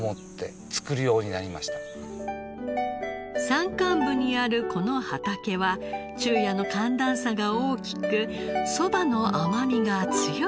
山間部にあるこの畑は昼夜の寒暖差が大きくそばの甘みが強くなるのだとか。